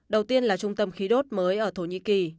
đầu tiên là trung tâm khí đốt mới ở thổ nhĩ kỳ